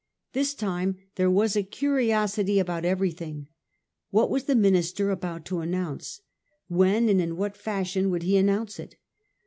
This time there was a curiosity about everything. What was the minister about to announce ? When and in what fashion would he announce it